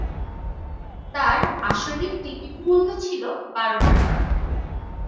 তার আসরের টিকিট মূল্য ছিল বারো টাকা।